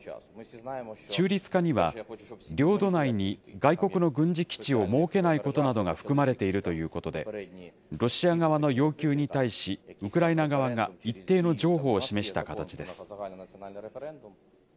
中立化には、領土内に外国の軍事基地を設けないことなどが含まれているということで、ロシア側の要求に対し、ウクライナ側が一定の譲歩を示した形です。